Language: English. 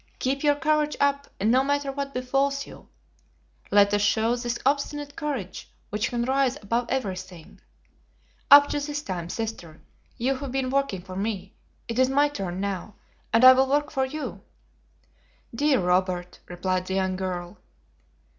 Keep your courage up and no matter what befalls you, let us show this obstinate courage which can rise above everything. Up to this time, sister, you have been working for me, it is my turn now, and I will work for you." "Dear Robert!" replied the young girl.